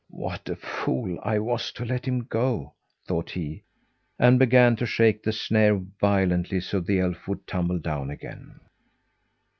"What a fool I was to let him go!" thought he, and began to shake the snare violently, so the elf would tumble down again.